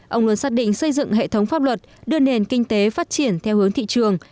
ông luôn xác định xây dựng hệ thống pháp luật đưa nền kinh tế phát triển theo hướng thị trường